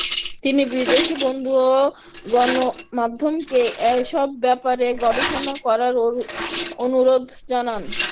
তিনি বিদেশি বন্ধু ও গণমাধ্যমকে এসব ব্যাপারে গবেষণা করার অনুরোধ জানান।